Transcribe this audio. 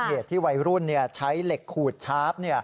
เหตุที่วัยรุ่นใช้เหล็กขูดชาร์ฟ